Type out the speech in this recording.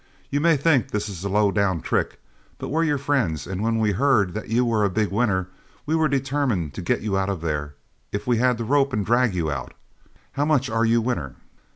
You may think this is a low down trick, but we're your friends, and when we heard that you were a big winner, we were determined to get you out of there if we had to rope and drag you out. How much are you winner?"